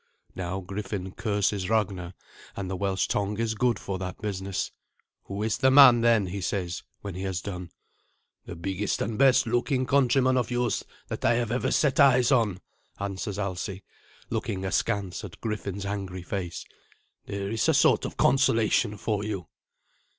Now Griffin curses Ragnar, and the Welsh tongue is good for that business. "Who is the man, then?" he says, when he has done. "The biggest and best looking countryman of yours that I have ever set eyes on," answers Alsi, looking askance at Griffin's angry face. "There is a sort of consolation for you."